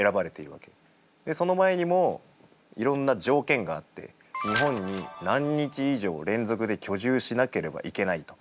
その前にもいろんな条件があって日本に何日以上連続で居住しなければいけないとか。